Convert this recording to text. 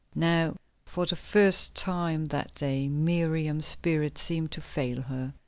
Now, for the first time that day, Miriam's spirit seemed to fail her.